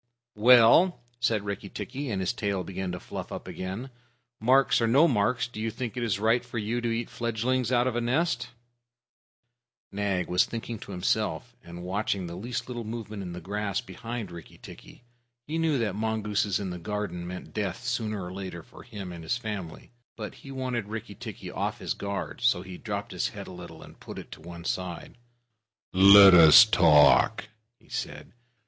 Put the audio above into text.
"Well," said Rikki tikki, and his tail began to fluff up again, "marks or no marks, do you think it is right for you to eat fledglings out of a nest?" Nag was thinking to himself, and watching the least little movement in the grass behind Rikki tikki. He knew that mongooses in the garden meant death sooner or later for him and his family, but he wanted to get Rikki tikki off his guard. So he dropped his head a little, and put it on one side. "Let us talk," he said.